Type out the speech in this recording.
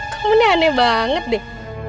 kok meneh aneh banget deh